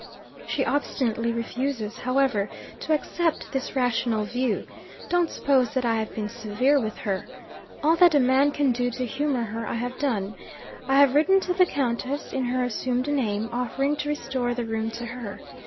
She obstinately refuses, however, to accept this rational view. Don't suppose that I have been severe with her! All that a man can do to humour her I have done. I have written to the Countess (in her assumed name) offering to restore the room to her.